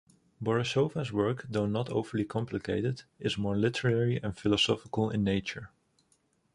Borisova's work, though not overly complicated, is more literary and philosophical in nature.